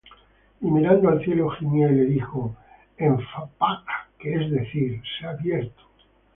Y mirando al cielo, gimió, y le dijo: Ephphatha: que es decir: Sé abierto.